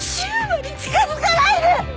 柊磨に近づかないで。